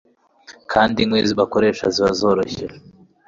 kandi inkwi bakoresha zikaba zoroshye